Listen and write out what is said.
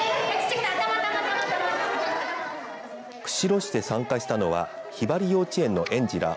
釧路市で参加したのはひばり幼稚園の園児ら